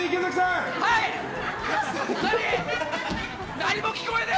何も聞こえねえ！